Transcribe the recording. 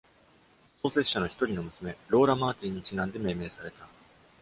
創設者の一人の娘、ローラ・マーティンにちなんで命名された。